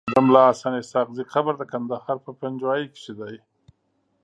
د ملاحسناسحاقزی قبر دکندهار په پنجوايي کیدی